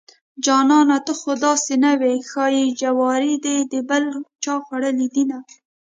جانانه ته خوداسې نه وې ښايي جواري دې دبل چاخوړلي دينه